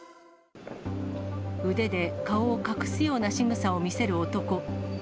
腕で顔を隠すようなしぐさを見せる男。